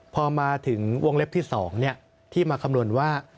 พอมาถึงวงเล็บที่๒ที่มาคำนวณว่า